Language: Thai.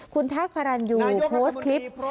คุณแท็กพารันยูโพสต์คลิป